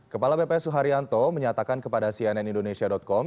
kepala bps suharyanto menyatakan kepada cnn indonesia com